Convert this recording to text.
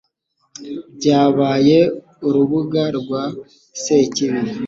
byabaye urubuga rwa sekibi